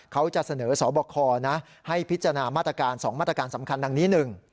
เขาจะเสนอสบคนะให้พิจารณามาตรการ๒มาตรการสำคัญดังนี้๑